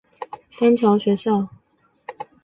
她在那里参与创办了三桥学校。